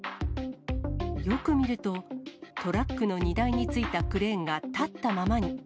よく見ると、トラックの荷台についたクレーンが立ったままに。